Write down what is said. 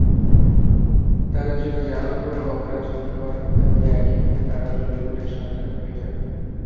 তাঁরা যদি জ্বালাও-পোড়াও অপরাজনীতি করেন, তাহলে একইভাবে তাঁরাও জ্বলে-পুড়ে ছারখার হয়ে যাবেন।